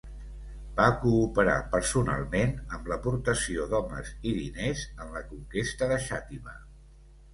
Va cooperar personalment, amb l'aportació d'homes i diners, en la conquesta de Xàtiva.